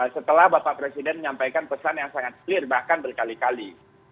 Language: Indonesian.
setelah bapak presiden menyampaikan pesan yang sangat clear bahkan berkali kali